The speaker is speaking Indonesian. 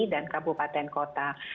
dan kabupaten kota